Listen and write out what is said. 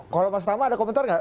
kalau mas tama ada komentar nggak